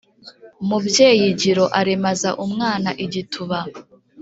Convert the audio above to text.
mubyeyi giro aremaza umwana igituba